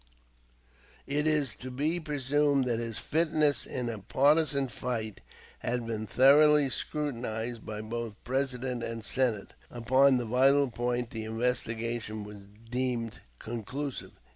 It is to be presumed that his fitness in a partisan light had been thoroughly scrutinized by both President and Senate. Upon the vital point the investigation was deemed conclusive.